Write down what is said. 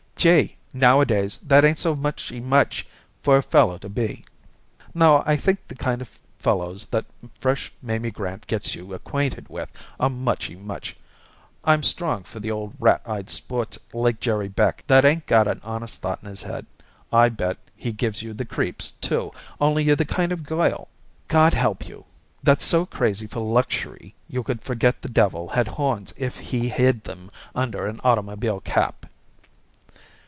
Gee! nowadays that ain't so muchy much for a fellow to be." "No, I think the kind of fellows that fresh Mamie Grant gets you acquainted with are muchy much. I'm strong for the old rat eyed sports like Jerry Beck, that 'ain't got a honest thought in his head. I bet he gives you the creeps, too, only you're the kind of a girl, God help you, that's so crazy for luxury you could forget the devil had horns if he hid 'em under a automobile cap."